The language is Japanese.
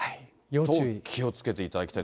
気をつけていただきたい。